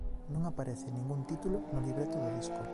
Non aparece ningún título no libreto do disco.